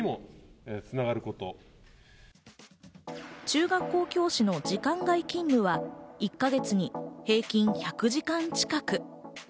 中学校教師の時間外勤務は、１か月に平均１００時間近く。